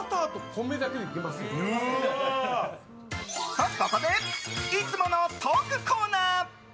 と、ここでいつものトークコーナー！